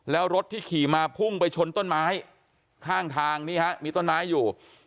แล้วรถที่ขี่มาพุ่งไปชนต้นไม้ข้างทางนี่ฮะมีต้นไม้อยู่